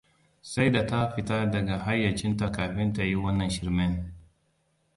Sai da ta fita daga hayyacinta kafin ta yi wannan shirmen.